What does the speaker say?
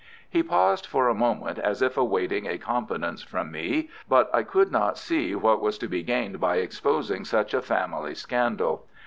He paused for a moment as if awaiting a confidence from me, but I could not see what was to be gained by exposing such a family scandal.